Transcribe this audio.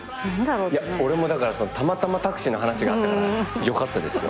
いや俺もだからたまたまタクシーの話があったからよかったですよ。